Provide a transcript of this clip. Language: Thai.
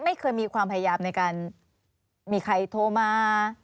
ไม่เคยมีความพยายามในการมีใครโทรมา